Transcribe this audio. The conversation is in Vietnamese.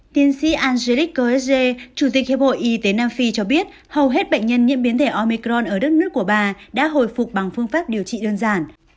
tiến sĩ angrich koreze chủ tịch hiệp hội y tế nam phi cho biết hầu hết bệnh nhân nhiễm biến thể omicron ở đất nước của bà đã hồi phục bằng phương pháp điều trị đơn giản